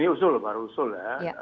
ini usul baru usul ya